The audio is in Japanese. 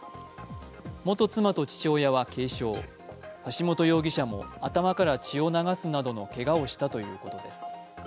元妻と父親は軽傷橋本容疑者も頭から血を流すなどのけがをしたということです。